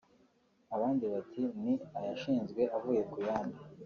abandi bati ni ayashinzwe avuye ku yandi